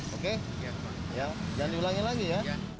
oke ya jangan diulangi lagi ya